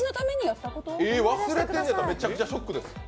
忘れてんのやったらめちゃくちゃショックです。